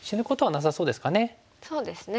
そうですね。